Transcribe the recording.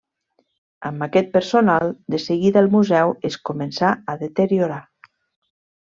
Amb aquest personal, de seguida el museu es començà a deteriorar.